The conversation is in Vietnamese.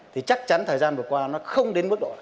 thì chắc chắn thời gian vừa qua nó không đến mức độ